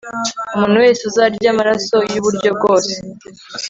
umuntu wese uzarya amaraso y uburyo bwose